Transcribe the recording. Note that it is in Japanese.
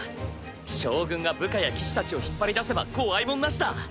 将軍が部下や騎士たちを引っ張り出せば怖いもんなしだ！